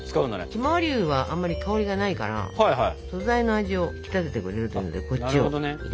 ひまわり油はあんまり香りがないから素材の味を引き立ててくれるというのでこっちを入れますね。